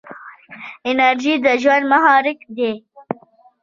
انرژي د ژوند محرک دی.